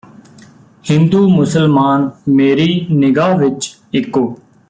ਹਿੰਦੂ ਮੁਸਲਮਾਨ ਮੇਰੀ ਨਿਗਾਹ ਵਿੱਚ ਇੱਕੋ